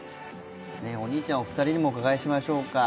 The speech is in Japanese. お兄ちゃんお二人にもお伺いしましょうか。